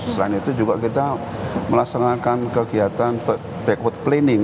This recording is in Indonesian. selain itu juga kita melaksanakan kegiatan backward planning